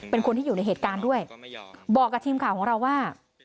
เป็นคนที่อยู่ในเหตุการณ์ด้วยบอกกับทีมข่าวของเราว่า